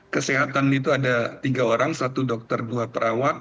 kesehatan itu ada tiga orang satu dokter dua perawat